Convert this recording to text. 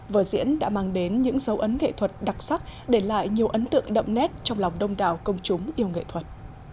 vở diễn đã mang đến những dấu ấn nghệ thuật đặc sắc để lại nhiều ấn tượng đậm nét trong lòng đông đảo công chúng yêu nghệ thuật